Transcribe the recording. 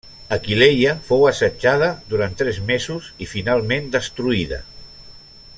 Aquileia fou assetjada durant tres mesos i finalment destruïda.